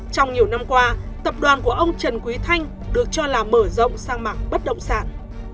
trong nhiều năm qua tập đoàn của ông trần quý thanh được cho là mở rộng sang mạng bất động sản